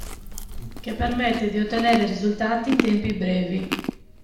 Che permette di ottenere risultati in tempi brevi.